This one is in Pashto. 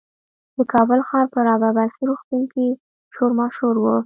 د کابل ښار په رابعه بلخي روغتون کې شور ماشور و.